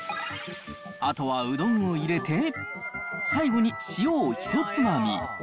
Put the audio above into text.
あとはうどんを入れて、最後に塩をひとつまみ。